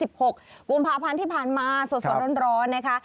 บุญภาพันธ์ที่ผ่านมาสดร้อนนะคะ